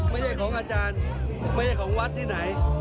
ไม่ได้ของอาจารย์ไม่ได้ของวัทย์ที่ไหน